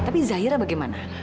tapi zahira bagaimana